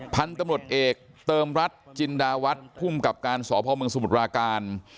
พันธุ์ตำรวจเอกเติมรัฐจินดาวัฒน์ภูมิกับการสพมสมุทรปราการ